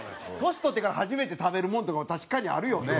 年取ってから初めて食べるものとかも確かにあるよね。